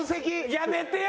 やめてよ！